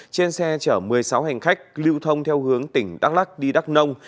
trên xe chở một mươi sáu hành khách lưu thông theo hướng tỉnh đắk lắc đi đắk nông